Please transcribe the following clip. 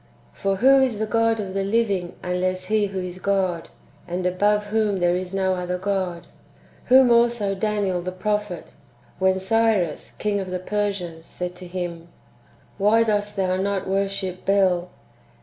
For who is the God of the living unless He who is God, and above whom there is no other God? Whom also Daniel the prophet, when Cyrus king of the Persians said to him, "Why dost thou not worship Bel?"